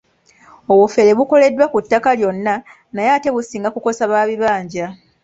Obufere bukolebwa ku ttaka lyonna naye ate businga kukosa ba bibanja.